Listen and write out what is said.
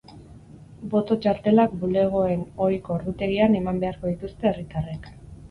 Boto-txartelak bulegoen ohiko ordutegian eman beharko dituzte herritarrek.